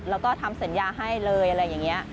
แล้วก็ทำสัญญาให้เลยอะไรอย่างนี้